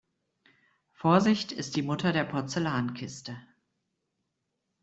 Vorsicht ist die Mutter der Porzellankiste.